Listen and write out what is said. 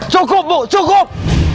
cukup bu cukup